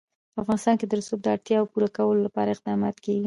په افغانستان کې د رسوب د اړتیاوو پوره کولو لپاره اقدامات کېږي.